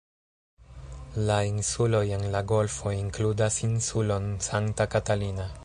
La insuloj en la golfo inkludas insulon Santa Catalina.